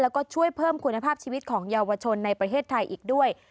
แล้วก็ช่วยเพิ่มคุณภาพชีวิตของเยาวชนในประเทศไทยอีกด้วย